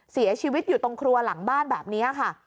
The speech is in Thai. เสียชีวิตอยู่ตรงครัวหลังบ้านแบบนี้ค่ะ